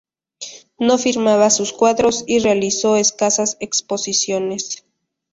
No firmaba sus cuadros y realizó escasas exposiciones.